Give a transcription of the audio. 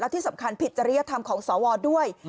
ที่สำคัญผิดจริยธรรมของสวด้วย